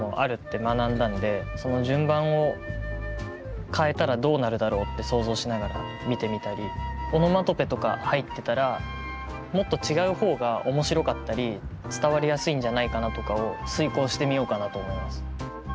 順番を変えたらどうなるだろうって想像しながら見てみたりオノマトペとか入ってたらもっと違う方が面白かったり伝わりやすいんじゃないかなとかを推敲してみようかなと思います。